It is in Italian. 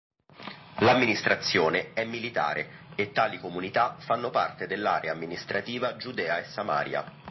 L'amministrazione è militare e tali comunità fanno parte dell'area amministrativa Giudea e Samaria.